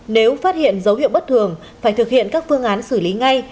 nếu phát hiện dấu hiệu bất thường phải thực hiện các phương án xử lý ngay